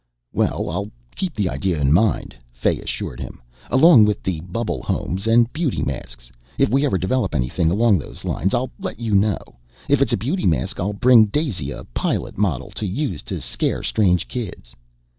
"Well, I'll keep the idea in mind," Fay assured him, "along with the bubble homes and beauty masks. If we ever develop anything along those lines, I'll let you know. If it's a beauty mask, I'll bring Daisy a pilot model to use to scare strange kids."